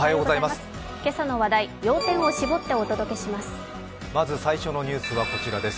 今朝の話題、要点を絞ってお届けします。